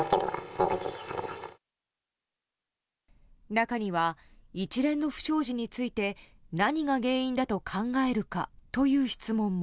中には、一連の不祥事について何が原因だと考えるかという質問も。